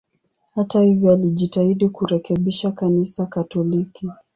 Hata hivyo, alijitahidi kurekebisha Kanisa Katoliki.